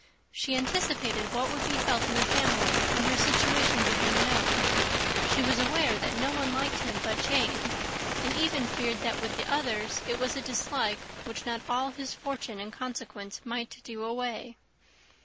She anticipated what would be felt in the family when her situation became known: she was aware that no one liked him but Jane; and even feared that with the others it was a dislike which not all his fortune and consequence might do away.